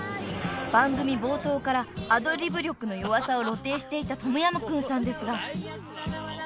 番組冒頭からアドリブ力の弱さを露呈していたとむやむくんさんですが］